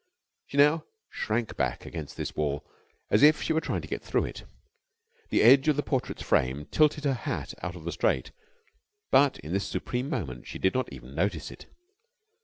She now shrank back against this wall, as if she were trying to get through it. The edge of the portrait's frame tilted her hat out of the straight, but in this supreme moment she did not even notice it.